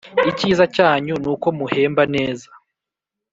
icyiza cyanyu nuko muhemba neza